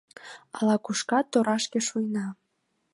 Ала-кушкат торашке шуйна.